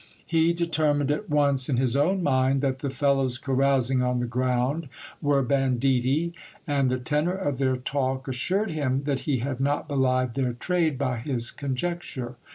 He deter mined at once in his own mind that the fellows carousing on the ground were banditti ; and the tenor of their talk assured him that he had not belied their .rade by his conjecture.